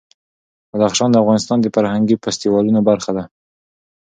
بدخشان د افغانستان د فرهنګي فستیوالونو برخه ده.